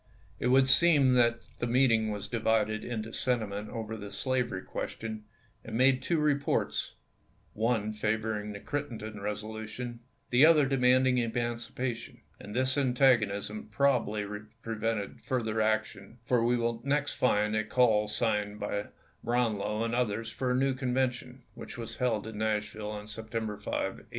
It would seem that the meeting was divided in sentiment over the slavery question, and made two reports ; one favor ing the Crittenden resolution, the other demanding emancipation ; and this antagonism probably pre vented further action, for we next find a caU signed by Brownlow and others for a new Convention, which was held in Nashville on September 5, 1864.